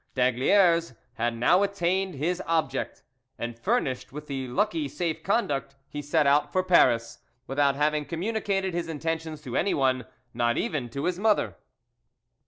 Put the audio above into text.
D'Aygaliers had now attained his object, and furnished with the lucky safe conduct, he set out for Paris, without having communicated his intentions to anyone, not even to his mother.